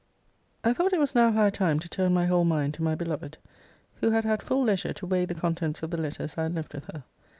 I thought it was now high time to turn my whole mind to my beloved; who had had full leisure to weigh the contents of the letters I had left with her.